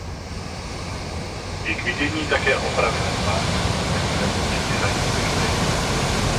Je k vidění také opravený park ve kterém si děti hrají celý den.